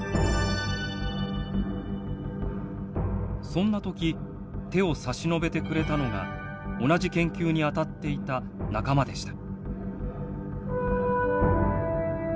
そんな時手を差し伸べてくれたのが同じ研究にあたっていた仲間でした。